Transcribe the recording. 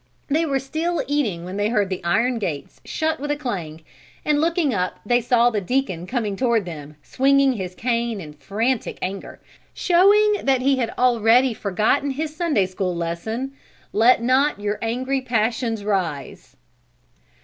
They were still eating when they heard the iron gates shut with a clang and looking up they saw the Deacon coming toward them, swinging his cane in frantic anger, showing that he had already forgotten his Sunday school lesson: "Let not your angry passions rise."